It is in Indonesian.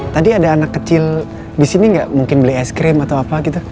tadi ada anak kecil disini gak mungkin beli es krim atau apa gitu